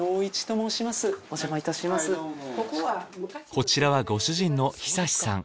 こちらはご主人の久さん